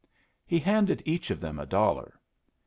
He handed each of them a dollar.